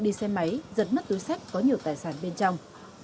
đi xe máy giật mất túi sách có nhược